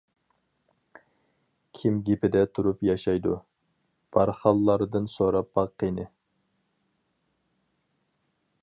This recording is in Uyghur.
كىم گېپىدە تۇرۇپ ياشايدۇ، بارخانلاردىن سوراپ باق قېنى.